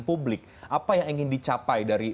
publik apa yang ingin dicapai dari